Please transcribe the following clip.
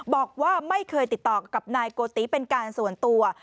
บอกว่าไม่เคยติดต่อกับนายโกติเป็นการส่วนตัว